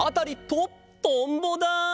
トンボだ！